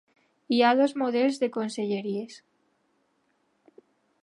Hi ha dos models de conselleries.